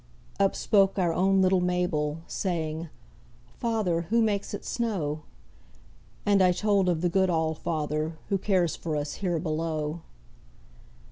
Up spoke our own little Mabel, Saying, 'Father, who makes it snow?' And I told of the good All father Who cares for us here below.